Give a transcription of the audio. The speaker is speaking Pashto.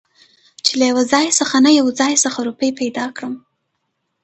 چې له يوه ځاى نه يو ځاى خڅه روپۍ پېدا کړم .